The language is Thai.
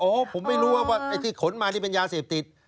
ผมไม่รู้ว่าไอ้ที่ขนมานี่เป็นยาเสพติด